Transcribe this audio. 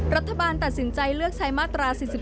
รัฐบาลตัดสินใจเลือกใช้มาตรา๔๔